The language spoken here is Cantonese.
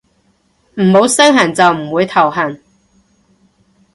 唔好身痕就唔會頭痕